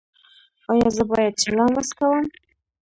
ایا زه باید چلم وڅکوم؟